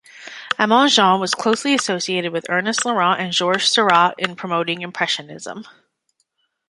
Aman-Jean was closely associated with Ernest Laurent and Georges Seurat in promoting impressionism.